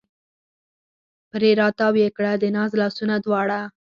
پرې را تاو یې کړه د ناز لاسونه دواړه